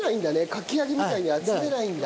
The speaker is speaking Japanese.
かき揚げみたいに集めないんだ。